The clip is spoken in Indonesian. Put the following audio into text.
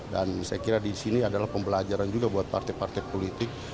saya kira di sini adalah pembelajaran juga buat partai partai politik